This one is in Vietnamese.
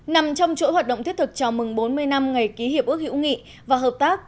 nằm trong chuỗi hoạt động thiết thực chào mừng bốn mươi năm ngày ký hiệp ước hữu nghị và hợp tác